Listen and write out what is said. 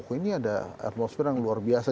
oh ini ada atmosfer yang luar biasa